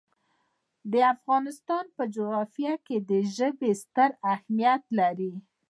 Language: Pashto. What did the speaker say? د افغانستان په جغرافیه کې ژبې ستر اهمیت لري.